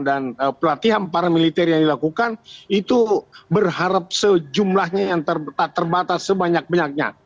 dan pelatihan paramiliter yang dilakukan itu berharap sejumlahnya yang terbatas sebanyak banyaknya